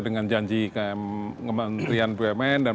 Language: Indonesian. dengan janji kementerian bumn